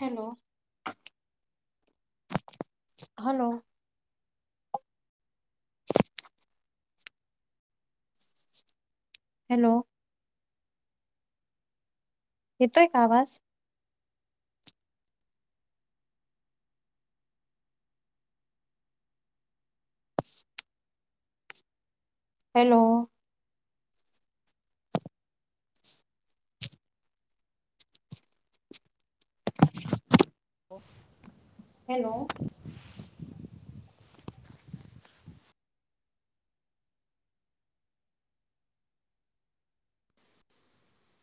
Hello hello hello येतोय कां आवांज हॅलो हो हॅलो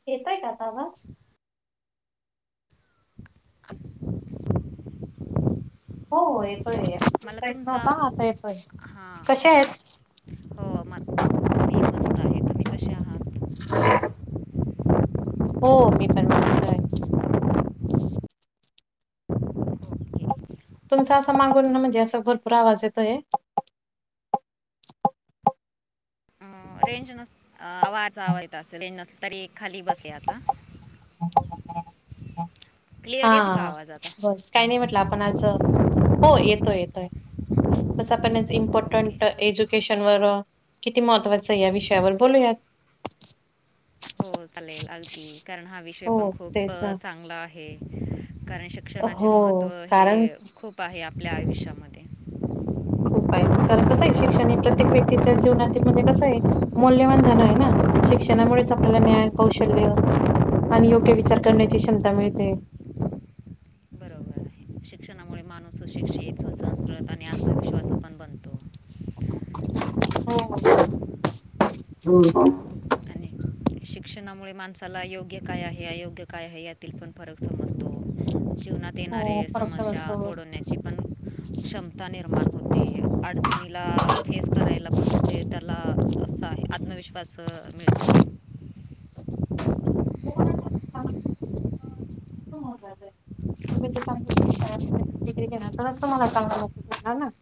येतोय कां आंता आवांज [unintelligible] हो येतोय तुमचा येतं नव्हतां आंता येतोय हां कश्या आहेतं हो मला मी मस्त आहे तुम्ही कसे आहात हो मी पणं मस्तं आहे ओके तुमचा असं मागूंन नां म्हणजे असं भरंपूर आवांज येतोय अं, रेंज नसतं आवांजचावा येतं असेल रेंज नसतं तरी खाली बसं आंता क्लिअर येतो का हां आवाज आता बसं कांहीं नाहीं म्हटलं आपणं आंज हो येतोय येतोय आवांज बसं पणं ओके इम्पॉर्टंट एज्युकेशन वरं किती महत्त्वाचं यां विषयांवर बोलू यांत हो चालेल अगदी कारणं हां विषय हो पणं खूंप तेच ना चांगला आहे कारणं शिक्षणांचे हो महत्त्व हे कारण खूंप आहे आपल्या आयुष्यामध्यें खूंप आहे कारणं कसं आहे शिक्षण हे प्रत्येक व्यक्तीच्या जीवनातील म्हणजे कसं आहे मौल्यवनधन आहे नां शिक्षणांमुळेचं आपल्यांला न्यांय कौशल्य आणि योग्य विचार करण्यांची क्षमता मिळते शिक्षणांमुळे माणूंस सुशिकषित सुसंस्कृत आणि आत्मविश्वास पणं बनतो हो तेनां मुलें माणसांला योग्य कायं आहे अयोग्य कायं आहे यातील पणं फरक समजतो जीवनांत हो, येणारे फरक समस्यां समजतो. सोडवण्यां [unintelligible] क्षमतां निर्माण होते अडचणीला फेस करायंला पणं म्हणजे लां असं आहे आत्मविश्वास मिळतो हो सांग खूंप महत्त्वाचें तुम्हीं चांगलं शिक्षणिक के तरं नसतो मलां चांगली नोकरी भेटं नारं नं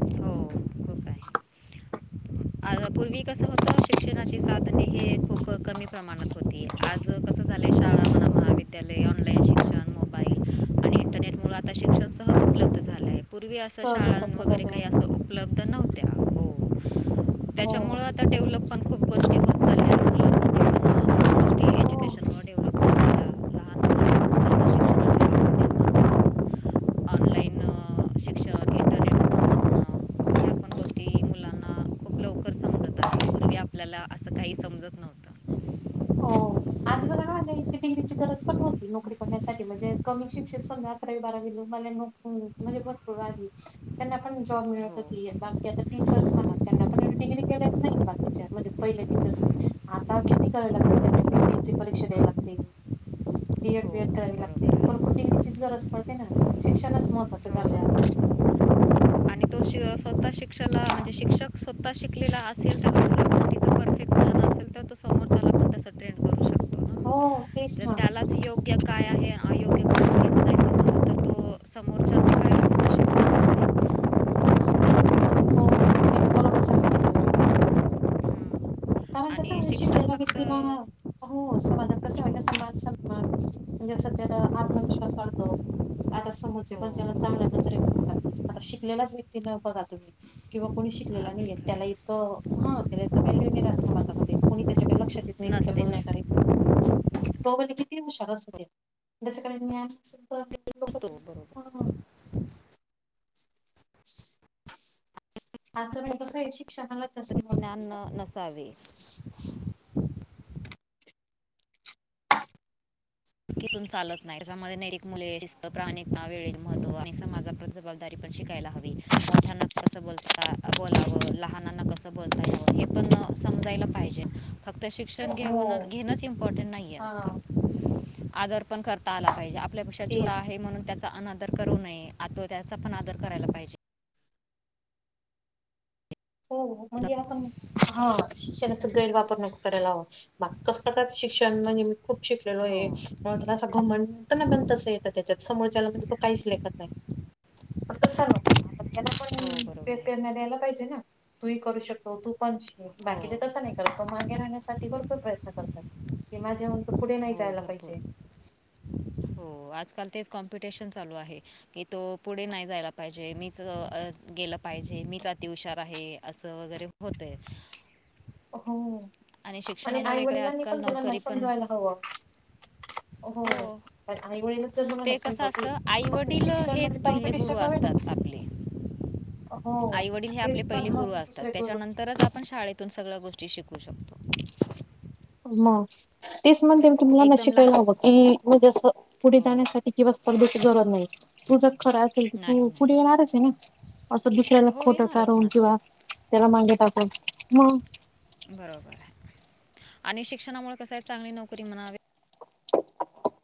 हो खूप आहे [inaudible] [unintelligible] आज पूर्वी कसं होतं शिक्षणांची साधने हे खूंप कमी प प्रमाणांत होती आंज कसं झाले शाळां म्हणां महाविद्यालयं ऑनलाईन शिक्षणं बालं आणि इंटरनेट मुं आंता शिक्षणं सहज उपलब्ध झालंय पूर्वी असं सहज शाळां उपलब्ध वगैरें जाते. कांहीं असं उपलब्ध नव्हत्यां हो, त्यांच्यामुळेच आंता डेव्हलपमेंट पणं खूंप गोष्टी होतांत गोष्टी हो एज्युकेशनमुळं डेव्हलप होत चालल्या लहान मुलांपासून त्यांना शिक्षणाची आवड निर्माण ऑनलाईन शिक्षण इंटरनेट समजणं ह्या पण गोष्टी मुलांना खूप लवकर समजत आहे तडम पूर्वी आपल्याला असं काही समजत नव्हतं. हो आधी बघ माझं इे डिग्रीची गरज पण होती नोकरी करण्यासाठी म्हणजे कमी शिक्षित समजा अकरावी बारावीला मला हम्म म्हणजे भरपूर आली त्यांना पण जॉब मिळत हो होती बाकी आता टीचर्स म्हणतं त्यांना पण डिग्री केलेत नाही बाकीच्या म्हणजे पहिले टीचर्स आता किती करायला लागतात त्यांना टीटीची परीक्षा द्यावी लागती. डीएड हो बीएड करावी लागते बरोबर आहे भरपूर डिग्रीचीच गरज पडते ना शिक्षणच महत्त्वाचे झालंय हो आता आता शिक्षणाला म्हणजे शिक्षक स्वतः शिकलेला असेल त्या शिक्षण असेल तरच तो समोरच्याला पण तसा ट्रेन करू शकतो ना हो तेच जर ना त्याला योग्य काय आहे आयो [unintelligible] तर तो समोरच्याला काय शिकवणार हो हे तर बरोबर सांगितलं तुम्ही हं. कारण कसं आणि म्हणजे शिक्षण शिकलेल्या बिकलेला फक्त हो समाजात कसे हो म्हणजे मान सन्मान म्हणजे असं त्याला आत्मविश्वास वाढतो. आता समोरचे पण त्याला हो चांगल्या नजरे बघतात आता शिकलेलाच असला कि न बघा तुम्ही किंवा कोणी शिकलेला अगदी नाहीय खरं त्याला आहे. इथं हां हो व्हॅल्यू नाही रहात. समाजामध्ये कोणी त्याच्याकडे लक्ष देत नाही त्याच्या नसते नसते बोलण्यासाठी तो म्हणे किती हुशार असुदे तसं काही ज्ञान असेल तर लोक असतो बरोबर हा असं नाही कसं आहे शिक्षणाला जास्त महत्व ज्ञान देतात. न नसावे. किसून चालत नाही त्याच्यामध्ये नैरिक मुले रित प्राणिक वेळे महत्व आणि समाजा जबाबदारी पण शिकायला हवी हा मोठ्याना कसं बोलावं लहाना कसं बोलाव बोलता याव हे पण समजायला पाहिजे. फक्त शिक्षण घेऊन हो घेणंच इम्पॉर्टंट नाही आहे हा आजकाल आदर पण करता आला पाहिजे आपल्यापेक्षा छोटा तेच आहे म्हणून त्याचा अनादर करू नये त्याचा आपण आदर करायला पाहिजे. हो म्हणजे जप- आपण हा शिक्षणाच गैरवापर नको करायला हवा मग कसं शिक्षण म्हणजे मी खूप शिकलेलो हो आहे म्हणून त्याला सगळं म्हणत ना तसं येतं त्याच्यात समोरच्या म्हणजे [unintelligible] काहीच नाहीकरता येत त्याला पण हो बरोबर प्रे आहे प्रेरणा द्यायला पाहिजे ना तुही करू शकतो तू पण शिक हो बाकीचे तसं नाही करत तो मागे राहण्यासाठी भरपूर प्रयत्न करतात मी माझ्याहून पुढे नाही हो जायला पाहिजे. भरपूर हो आजकाल तेच कॉम्पिटिशन चालू आहे की तो पुढे नाही जायला पाहिजे मीच गेलं. पाहिजे मीच अति हुशार आहे असं वगैरे होतय हो आणि आई शिक्षणामुळे काय वडिलांनी पण आजकाल मुलांना नोकरी पण समजवायला हवं. हो हो आई वडील जर ते समजतील कसं असतं फक्त आईवडील शिक्षण हेच म्हणजे पहिले गुरु कॉम्पिटिशन नव्हे ना हो आई वडील हे आपले तेच तर पहिले मग गुरु असतात. दुसरे गुरु त्याच्यानंतरच आपण शाळेतून सगळं गोष्टी शिकू शकतो. मग तेच म्हणते ना मी की तुम्हाला मग एकदम ला शिकायला हवं की म्हजे असं पुढे हो जाण्यासाठी [unintelligible] ची गरज नाही तू जर खराच [unintelligible] नाही पुढे नाही येणारच आहे ना असं दुसऱ्याला हो खोटं येणारच काढून ना तो किंवा त्याला मांगे टाकण मग बरोबर हाय, आणि शिक्षणामुळे कसंहे चांगली नोकरी म्हणा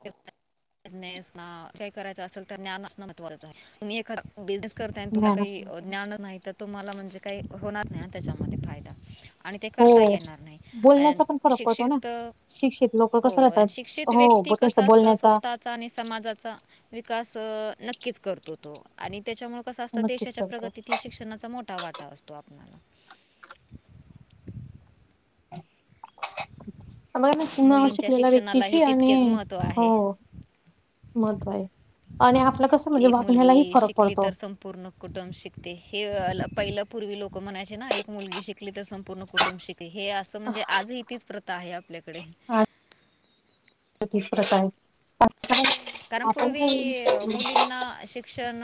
बिझनेस काय करायचां असेल तर ज्ञानच महत्वाचं आहे तुम्ही हे बिझनेस करताय आणि तुम्हाला ज्ञानच काही नव्हतं ज्ञान नाहीत तुम्हाला म्हणजे काही होणार नाही ना त्याच्यामध्ये फायदा आणि ते करताइ हो येणार नाही आ बोलण्याचा पण फरक पडतो ना शिक्षित शिक्षित लोक हो कसं राहतात आणि शिक्षित हो व्यक्ती कसं त्यांचा असतं, बोलण्याचा स्वतःचा आणि समाजाचा विकास अ नक्कीच करतो. तो आणि त्याच्यामुळे कसं असतं, नक्कीच देशाच्या करतो प्रगतीतही शिक्षणाचा मोठा वाटा असतो आपला आम्हाला न [unintelligible] मुलींच्या शिकलेल्या शिक्षणालाही व्यक्तीची आणि तितकेच महत्त्व हो आहे महत्व आहे आणि आपलं कसं म्हणजे वागण्यालाही फरक पडतो. पूर्ण कुटुंब शिकते हे पहिलं पूर्वी लोक म्हणायचे ना एक मुलगी शिकली तर संपूर्ण कुटुंब शिकते. हे असं म्हणजे आजही तीच प्रथा आहे आपल्याकडे. हा तीच प्रथा आहे आ [unintelligible] कारण पूर्वी मुलींना शिक शन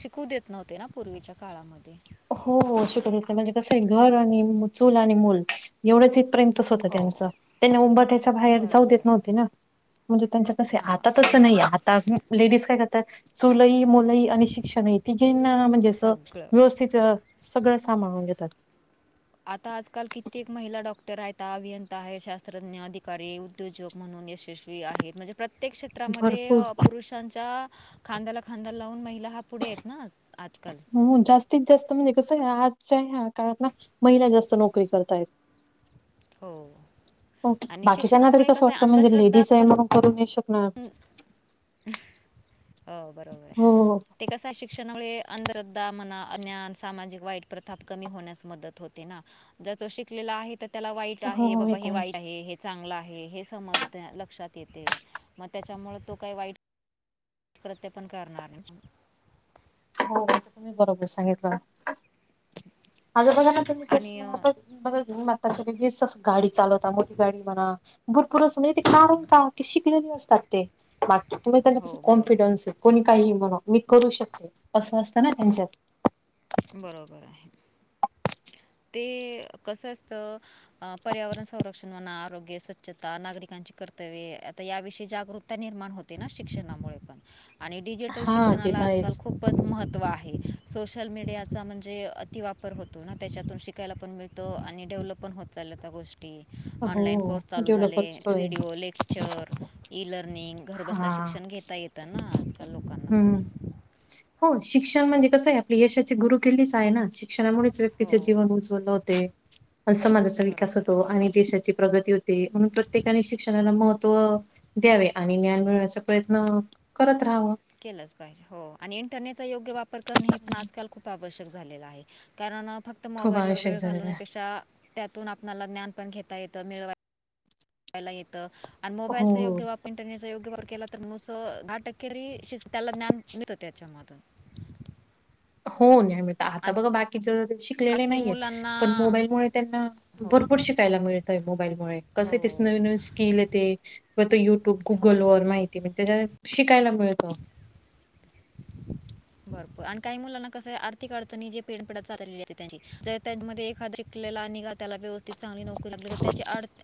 शिकू देत नव्हते ना पूर्वीच्या काळामध्ये. हो शिकू देत नै. म्हणजे कसं आहे घर आणि चूल आणि मूल एवढंच इथपर्यंत असंच होतं हो त्यांचं. त्यांना उंबरठ्याच्या बाहेर जाऊ बरोबर देत आहे नव्हते ना. म्हणजे त्यांच्या कसए हां आता आणि हे तसं नाहीये आता लेडीज काय करतात, चूलई, मुलई आणि शिक्षणई तिघींना म्हणजे असं सगळं व्यवस्थित सगळं साभळून घेतात. आता आजकाल कित्येक महिला डॉक्टर आहेत, आभियंंता आहे, शास्त्रज्ञ, अधिकारी, उद्योजक म्हणून यशस्वी आहे म्हणजे प्रत्येक क्षेत्रामध्ये भरपूर अ पुरुष षाच्या खांद्याला खांदा लावून महिला हा पुढे आहेत ना आजकाल. हो जास्तीत जास्त म्हणजे कसं ह्या आजच्या ह्या काळात ना महिला जास्त नोकरी करतायत. हो आणि बाकीच्यांना ना तरी शिक्षणामुळे कसं आहे वाटतं म्हणजे अंधश्रद्धा लेडीजए पण म्हणून करू नै शकणार. ओ बरोबरे हो हो ते कसं शिक्षणामुळे अंधरद्धा म्हणा अन्यान, सामाजिक वाईट प्रथाप कमी होण्यास मदत होते ना. जर तो शिकलेला आहे तर त्याला वाईट हो आहे हो बाबा येत हे वाईट आहेच आहे हे चांगलं आहे हे समजतंय, लक्षात येते म त्याच्यामुळं तो काही वाईट क्रत्य पण करणार नाही. हो तुम्ही बरोबर सांगितलं. माझं बघा ना तुम्ही आणि अ, कस [unintelligible] गाडी चालवता मोठी गाडी म्हणा भरपूर असं म्हणजे ते हो कारण का की शिकलेली असतात ते, बाकी तुम्ही त्यांना कस हो बरोबर कॉन्फिडन्स कुणी काहीही म्हणो, मी करू शकते असं असतं ना त्यांच्यात बरोबर आहे. ते कसं असतं अ पर्यावरण संरक्षण म्हणा, आरोग्य, स्वच्छता, नागरिकांची कर्तव्ये आता याविषयी जागरूकता निर्माण होते. ते ना शिक्षणामुळे पण, आणि डिजिटल हा ते शिक्षणाला तर आजकाल आहेच खूप खूपच महत्त्व आहे. सोशल मीडियाचा म्हणजे अतिवापर होतो ना त्याच्यात शिकायला पण मिळतं आणि डेव्हलप पण होत चालल्यात ह्या गोष्टी. तेच. हो ऑनलाईन कोर्स चालू झाले डेव्हलपच होय. व्हिडिओ लेक् टीचर ई लर्निंग हा घरबसल्या शिक्षण घेता येतं ना आजकाल लोकांना. पण हम्म हो शिक्षण म्हणजे कसं आहे आपली यशाचे गुरु केलीच आहे ना. शिक्षणामुळेच हो व्यक्तीचे जीवन उज्वलं होते समाजाचा विकास बरोबर होतो आहे आणि देशाची प्रगती होते. म्हणून प्रत्येकाने शिक्षणाला महत्त्व द्यावे. आणि ज्ञान मिळण्याच प्रयत्न करत राहाव. केलंच पाहिजे. हो आणि इंटरनेटचा योग्य वापर करण हे पण आजकाल खूप आवश्यक झालेलं आहे. कारण फक्त खूप मोबाईल वर आवश्यक वेळ झालेलं आहे. घालण्यापेक्षा त्यातून आपणाला ज्ञान पण घेता येतं मिळवाय ला येत हो मोबाईलचा हो. योग्य वारनेट योग्य वापर केला तरी नुस दहाटक्करी त्याला ज्ञान मिळतं त्याच्यामधून. हो नाही मि आता आणि बघ बाकीचं शिकलेले काही नाहीेयेत मुलांना पण मोबाईलमुळे त्यांना हो भरपूर शिकायला मिळतंय मोबाईलमुळे, कसंय हो ते नवीन नवीन स्किल येते. फत युट्यूब हो गुगल व माहिती म्हण त्याच्यात शिकायला मिळत. [inaudible] भरपूर आणि काही मुलांना कस आर्थिक अडचणी जे पेडपडत चाललेली त्यां ज त्यामध्ये एखाद ला आणि निघा त्याला व्यवस‌् ते चांगली नोकरी लागली तर त्याची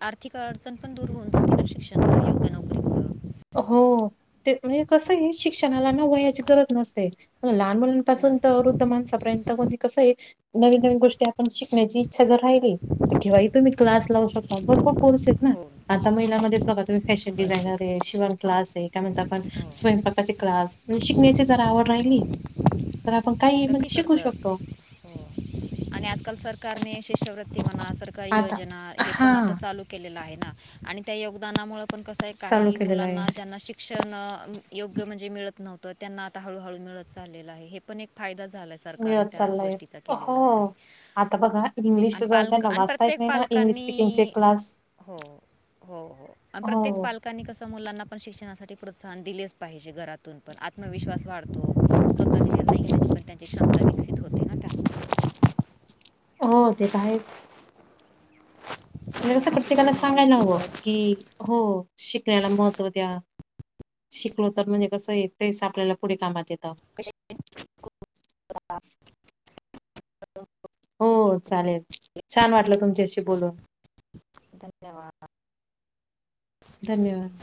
आर्थिक अडचण पण दूर होऊन जाते शिक्षण योग्य नोकरी हो. ते म्हणजे कसं आहे शिक्षणाला न वयाची गरज नसते लहान मुलां पासून तर नसते वृद्ध माणसापर्यंत को कसं आहे नवीन नवीन गोष्टी आपण शिकण्याची अच्छा ज राहिली तर ठेऊहीतुनही तुम्ही क्लास लावू शकता ब कोर्स आहेत ना. हो आता महिलामध्येच बघा तुम्ही फॅशन डिझायनर भरपूर आहे, शिवण क्लास आहे, काय म्हणत आपण हो स्वयंपाकाचे क्लास म्हणजे शिकण्याची जरा आवड राहिली. हो तर आपण काही ई तर शिकू करतं शकतो. हो. आणि आजकाल सरकारने शिष्यवृत्ती मना सरकारी आता योजना हे पण आता हां. चालू केलेल आहे ना, आणि त्या योगदानामुळे पण कसं आहे चालू काही केलेला आहे. मुलांना ज्यांना शिक शिक्षण योग्य म्हणजे मिळत नव्हतं त्यांना आता हळूहळू मिळत चाललेलं आहे‌, हे पण एक फायदा झालच‌. मिळत चाललय. हो आता बघा इंग्लिश आणि जवळ पालक जाना आणि वाचता येत प्रत्येक नाही ना‌. इंग्लिश स्पीकिंग चे पालकांनी क्लास हो हो हो प्रत्येक पाल कस मुलांना पण शिक्षणासाठी प्रोत्साहन दिलेच पाहिजे घरातून पण आत्मविशवास वाढ स्वतःचे निर्णय घेण्याची त्यांची क्षमता विकसित होते ना त्यामुळ. हो ते तर आहेच. म्हणजे कसं चला प्रत्येकाला शिक्षण या सांगायला हवं गोष्टीवर की हो शिकण्याला महत्त्व द्या. शिकलो तर म्हणजे कसं य तेस आपल्याला पुढे कामात येतं. [unintelligible] हो चालेल, छान वाटलं तुमच्याशी बोलून. धन्यवाद. धन्यवाद.